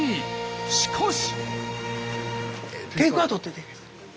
しかし。